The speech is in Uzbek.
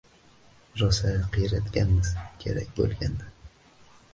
Rosa qiyratganmiz! Kerak boʻlgan-da!